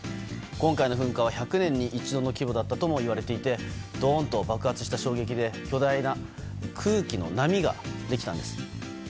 今回の噴火は１００年に一度の規模だったともいわれていてドーンと爆発した衝撃で巨大な空気の波ができたんです。